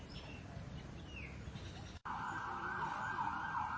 จามาการ็จะแม่ง